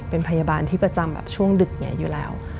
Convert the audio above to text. เป็นพยาบาลที่ประจำช่วงดึกอยู่แล้ว